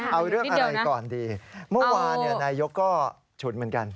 เอาเรื่องอะไรก่อนดีเมื่อวานนายกก็ฉุนเหมือนกัน